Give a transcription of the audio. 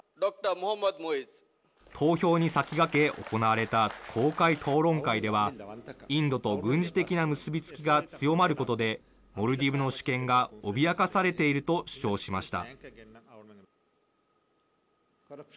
投票に先駆け行われた公開討論会では、インドと軍事的な結び付きが強まることで、モルディブの主権が脅かされていると主張しました。